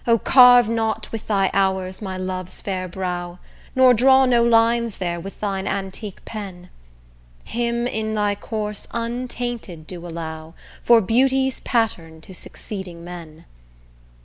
carve not with thy hours my love's fair brow, Nor draw no lines there with thine antique pen; Him in thy course untainted do allow For beauty's pattern to succeeding men.